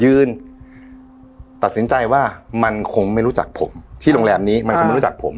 ตัดสินใจว่ามันคงไม่รู้จักผมที่โรงแรมนี้มันคงไม่รู้จักผม